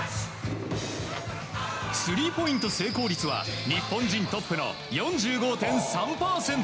スリーポイント成功率は日本人トップの４５．３％。